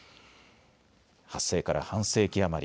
発生から半世紀余り。